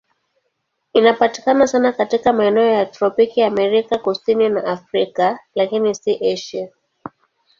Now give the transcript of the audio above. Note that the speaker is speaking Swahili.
Inapatikana sana katika maeneo ya tropiki Amerika Kusini na Afrika, lakini si Asia.